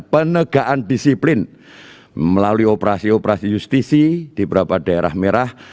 penegaan disiplin melalui operasi operasi justisi di beberapa daerah merah